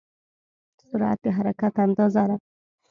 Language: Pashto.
سرعت د حرکت اندازه ده.